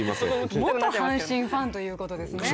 元阪神ファンということですね。